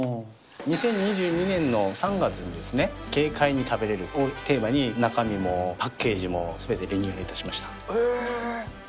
２０２２年の３月にですね、軽快に食べれるをテーマに、中身もパッケージもすべてリニュへぇー。